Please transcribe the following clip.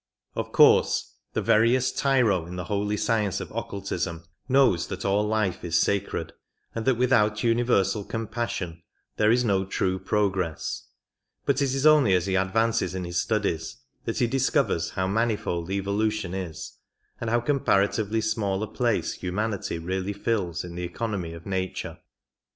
Of course the veriest tyro in the holy science of occultism knows that all life is sacred, and that without universal compassion there is no true progress ; but it is only as he advances in his studies that he dis covers how manifold evolution is, and how comparatively small a place humanity really fills in the economy of nature.